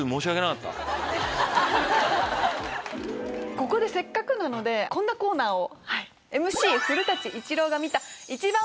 ここでせっかくなのでこんなコーナーを。